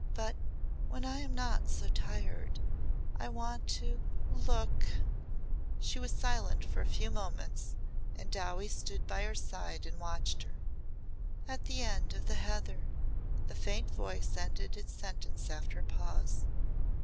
"But when I am not so tired I want to look " She was silent for a few moments and Dowie stood by her side and watched her. " At the end of the heather," the faint voice ended its sentence after a pause.